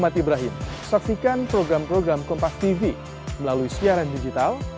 dua minggu akan selesai